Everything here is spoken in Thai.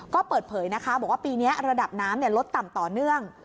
ก็เปิดเผยนะคะบอกว่าปีนี้ระดับน้ำลดต่ำต่อเนื่อง